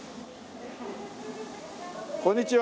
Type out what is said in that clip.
こんにちは。